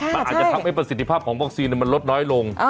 มันอาจจะทำให้ประสิทธิภาพของวัคซีนมันลดน้อยลง